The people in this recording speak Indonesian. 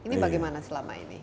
ini bagaimana selama ini